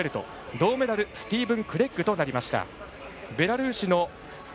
銅メダルスティーブン・クレッグとなりました。